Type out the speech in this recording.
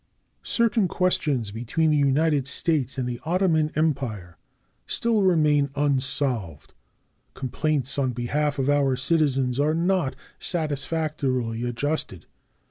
Certain questions between the United States and the Ottoman Empire still remain unsolved. Complaints on behalf of our citizens are not satisfactorily adjusted.